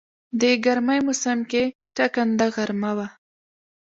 د ګرمی موسم کې ټکنده غرمه وه.